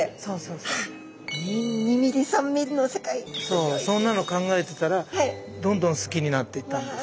そうそんなの考えてたらどんどん好きになっていったんです。